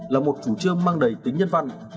là một chủ trương mang đầy tính nhân văn